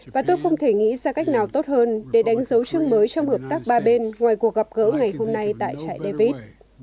và tôi không thể nghĩ ra cách nào tốt hơn để đánh dấu chương mới trong hợp tác ba bên ngoài cuộc gặp gỡ ngày hôm nay tại trại david